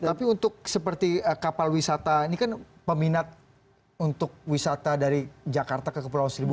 tapi untuk seperti kapal wisata ini kan peminat untuk wisata dari jakarta ke kepulauan seribu